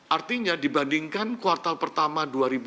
artinya dibandingkan kuartal pertama dua ribu tujuh belas